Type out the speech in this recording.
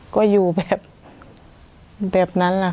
ก็อยู่แบบนั้น